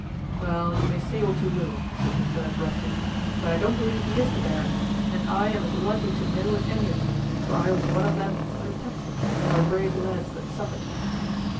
"Well, you may say what you will," said the third ruffian, "but I don't believe he is the Baron, and I am as likely to know as any of you, for I was one of them, that attacked him, with our brave lads, that suffered."